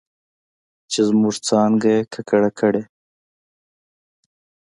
چې زموږ څانګه یې ککړه کړې